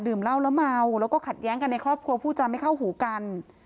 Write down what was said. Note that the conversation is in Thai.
เหล้าแล้วเมาแล้วก็ขัดแย้งกันในครอบครัวผู้จำไม่เข้าหูกัน